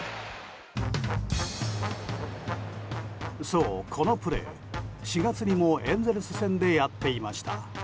そう、このプレー４月にもエンゼルス戦でやっていました。